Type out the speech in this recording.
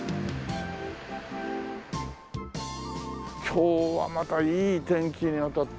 今日はまたいい天気にあたって。